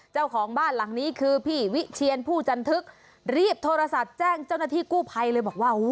เจ้าของบ้านหลังนี้คือพี่วิเชียนผู้จันทึกรีบโทรศัพท์แจ้งเจ้าหน้าที่กู้ภัยเลยบอกว่า